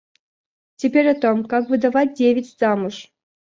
Теперь о том, как выдавать девиц замуж.